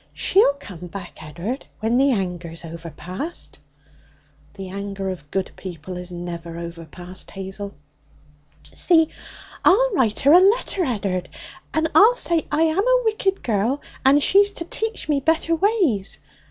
'She'll come back, Ed'ard, when the anger's overpast.' 'The anger of good people is never overpast, Hazel.' 'See, I'll write her a letter, Ed'ard, and I'll say I'm a wicked girl, and she's to teach me better ways.